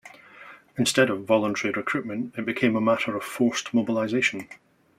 Instead of voluntary recruitment it became a matter of forced mobilisation.